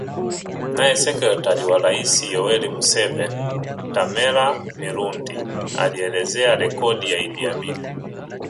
Naye sekretari wa rais Yoweri Museveni Tamale Mirundi alielezea rekodi ya Idi Amin